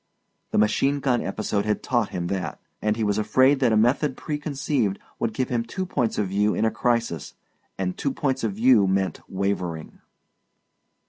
The machine gun episode had taught him that. And he was afraid that a method preconceived would give him two points of view in a crisis and two points of view meant wavering.